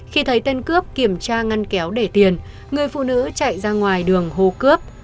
khi thấy tên cướp kiểm tra ngăn kéo để tiền người phụ nữ chạy ra ngoài đường hô cướp